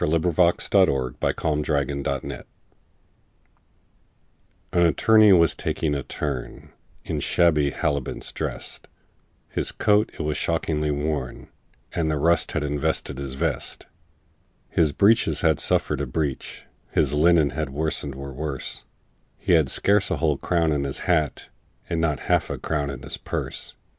THE BRIEFLESS BARRISTER A BALLAD N Attorney was taking a turn, In shabby habiliments drest; His coat it was shockingly worn, And the rust had invested his vest. His breeches had suffered a breach, His linen and worsted were worse; He had scarce a whole crown in his hat, And not half a crown in his purse.